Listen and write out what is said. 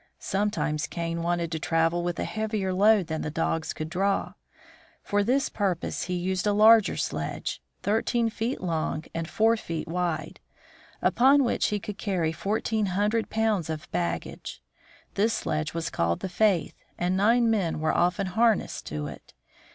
Sometimes Kane wanted to travel with a heavier load than the dogs could draw. For this purpose he used a larger sledge, thirteen feet long and four feet wide, upon 38 THE FROZEN NORTH which he could carry fourteen hundred pounds of baggage. This sledge was called the " Faith," and nine men were often harnessed to it.